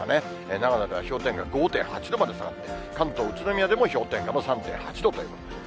長野では氷点下５．８度まで下がって、関東、宇都宮でも氷点下３．８度ということで。